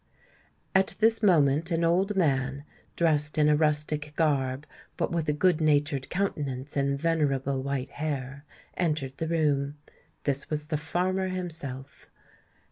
At this moment an old man, dressed in a rustic garb, but with a good natured countenance and venerable white hair, entered the room. This was the farmer himself.